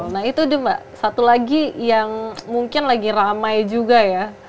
nah itu dia mbak satu lagi yang mungkin lagi ramai juga ya